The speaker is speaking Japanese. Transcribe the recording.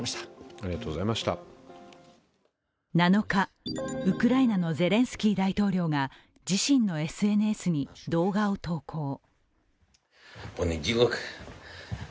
７日、ウクライナのゼレンスキー大統領が自身のＳＮＳに動画を投稿。